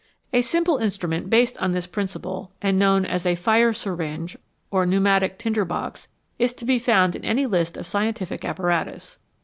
A simple instrument based on this principle and known as a " fire syringe " or a "pneumatic tinder box" is to be found in any list of scientific apparatus.